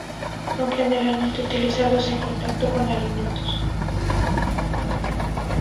Son generalmente utilizados en contacto con alimentos.